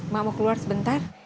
mak mau keluar sebentar